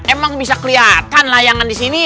emang bisa kelihatan layangan di sini